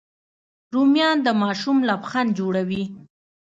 رومیان د ماشوم لبخند جوړوي